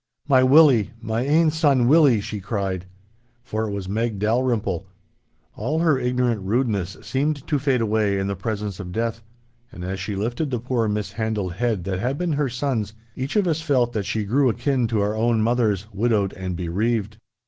'My Willie, my ain son Willie!' she cried. For it was Meg Dalrymple. All her ignorant rudeness seemed to fade away in the presence of death, and as she lifted the poor mishandled head that had been her son's, each of us felt that she grew akin to our own mothers, widowed and bereaved.